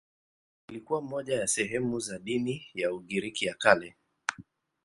Ilikuwa moja ya sehemu za dini ya Ugiriki ya Kale.